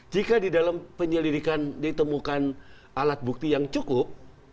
jika di dalam penyelidikan ditemukan alat bukti yang cukup